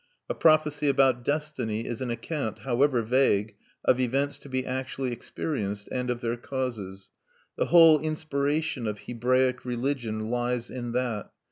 A prophecy about destiny is an account, however vague, of events to be actually experienced, and of their causes. The whole inspiration of Hebraic religion lies in that.